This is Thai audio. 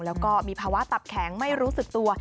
แล้วก็มีภาวะตับแข็งไม่รู้สึกตัว